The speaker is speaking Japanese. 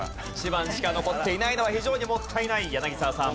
１番しか残っていないのは非常にもったいない柳澤さん。